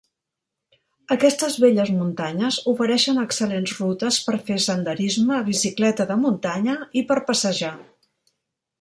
Aquestes belles muntanyes ofereixen excel·lents rutes per fer senderisme, bicicleta de muntanya i per passejar.